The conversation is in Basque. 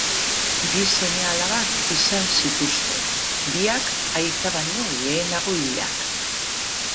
Bi seme-alabak izan zituzten, biak aita baino lehenago hilak.